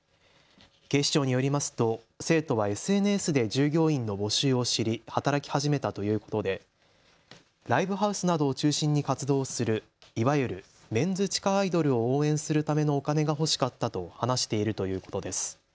警視庁によりますと生徒はＳＮＳで従業員の募集を知り、働き始めたということでライブハウスなどを中心に活動するいわゆるメンズ地下アイドルを応援するためのお金が欲しかったと話しているということです。